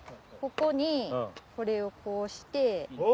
こにこれをこうして。